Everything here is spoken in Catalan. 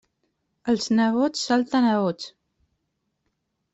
Els nebots salten a bots.